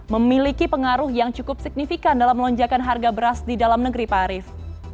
memiliki pengaruh yang cukup signifikan dalam lonjakan harga beras di dalam negeri pak arief